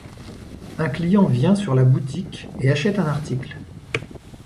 Un client vient sur la boutique et achète un article.